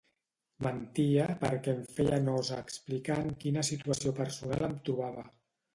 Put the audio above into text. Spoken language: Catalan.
Mentia perquè em feia nosa explicar en quina situació personal em trobava.